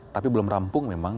tapi belum rampung memang